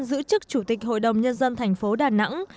giữ chức chủ tịch hội đồng nhân dân thành phố đà nẵng